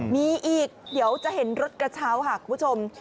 มีอีกเดี๋ยวจะเห็นรถกระเช้าค่ะคุณผู้ชม